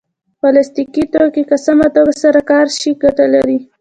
پلاستيکي توکي که سمه توګه سره کار شي ګټه لري.